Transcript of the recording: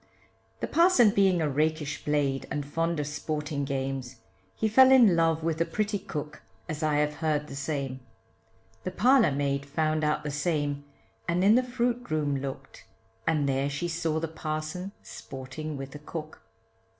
The parson being a rakish blade, and fond of sporting games, He fell in love with the pretty cook, as I have heard the same; The parlour maid found out the same, and in the fruit room looked, And there she saw the parson sporting with the cook.